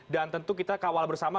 dan tentu kita kawal bersama